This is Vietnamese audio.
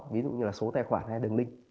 ví dụ như số tài khoản hay đường link